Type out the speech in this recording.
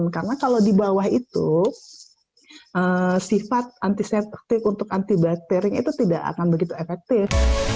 karena kalau di bawah itu sifat antiseptik untuk antibakteri itu tidak akan begitu efektif